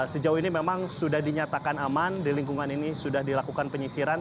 sejauh ini memang sudah dinyatakan aman di lingkungan ini sudah dilakukan penyisiran